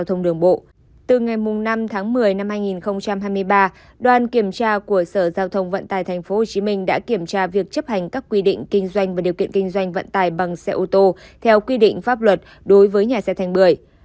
từ ngày năm tháng một mươi năm hai nghìn hai mươi ba đoàn kiểm tra của sở giao thông vận tài tp hcm đã kiểm tra việc chấp hành các quy định kinh doanh và điều kiện kinh doanh vận tải bằng xe ô tô theo quy định pháp luật đối với nhà xe thành bưởi